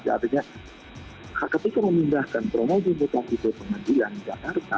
kita harus usahalah artinya ketika menggunakan promo dimutasi pemerintahan jakarta